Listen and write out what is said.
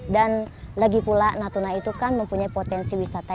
dan lagi pula natuna itu kan mempunyai potensi wisata